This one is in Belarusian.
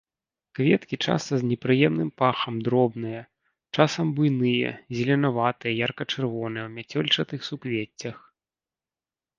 Кветкі часта з непрыемным пахам, дробныя, часам буйныя, зеленаватыя, ярка-чырвоныя, у мяцёлчатых суквеццях.